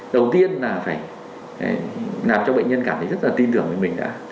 đầu tiên là phải làm cho bệnh nhân cảm thấy rất là tin tưởng với mình đã